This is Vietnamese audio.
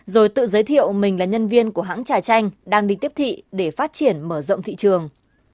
rồi tự giới thiệu mình là nhân viên của hãng trà chanh đang đi tiếp thị để phát triển mở rộng thị trường